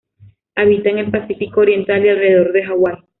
Habita en el Pacífico oriental y alrededor de Hawái.